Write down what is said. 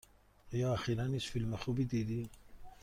آیا اخیرا هیچ فیلم خوبی دیدی؟